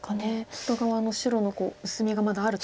外側の白の薄みがまだあると。